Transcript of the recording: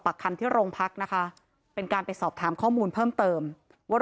คำที่โรงพักนะคะเป็นการไปสอบถามข้อมูลเพิ่มเติมว่า